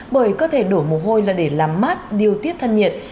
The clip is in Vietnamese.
bởi cơ thể đổ mồ hôi là để làm mát điều tiết thân nhiệt